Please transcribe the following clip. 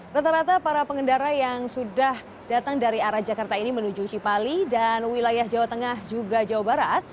rata rata para pengendara yang sudah datang dari arah jakarta ini menuju cipali dan wilayah jawa tengah juga jawa barat